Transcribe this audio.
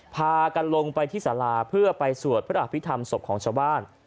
พากันลงไปที่สาราเพื่อไปสวดพระอภิษฐรรมศพของชาวบ้าน